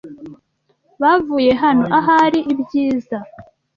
Bavuye hano, ahari ibyiza.